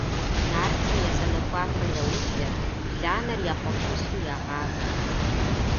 Нартхэ я сэнэхуафэр яублэ, бланэр я хъуэхъу Ӏусу ягъавэ.